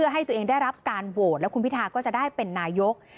ให้ตัวเองได้รับการโหวตแล้วคุณพิทาก็จะได้เป็นนายก